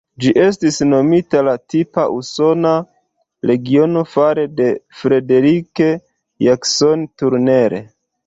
Ĝi estis nomita la "tipa usona" regiono fare de Frederick Jackson Turner.